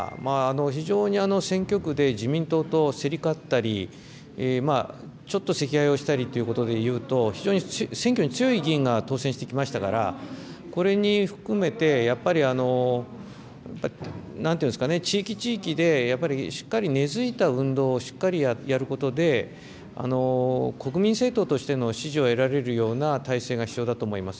非常に選挙区で自民党と競り勝ったり、ちょっと席替えをしたりということでいうと、非常に選挙に強い議員が当選してきましたから、これに含めてやっぱり、なんというんですか、地域地域でやっぱりしっかり根付いた運動をしっかりやることで、国民政党としての支持を得られるような体制が必要だと思います。